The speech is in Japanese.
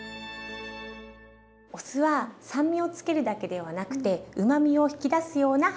お酢は酸味を付けるだけではなくてうまみを引き出すような働きもあります。